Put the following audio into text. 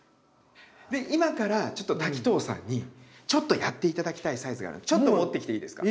今からちょっと滝藤さんにちょっとやって頂きたいサイズがあるんでちょっと持ってきていいですか？